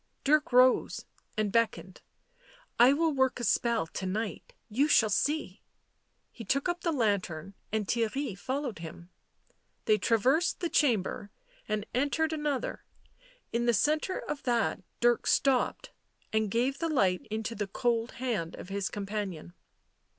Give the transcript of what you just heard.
Dirk rose and beckoned. " I will work a spell to night. You shall see." He took up the lantern and Theirry followed him ; they traversed the chamber and entered another ; in the centre of that Dirk stopped, and gave the light into the cold hand of his companion.